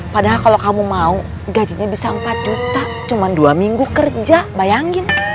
padahal kalau kamu mau gajinya bisa empat juta cuma dua minggu kerja bayangin